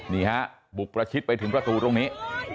นี่ฮะบุกประชิดไปถึงประตูตรงนี้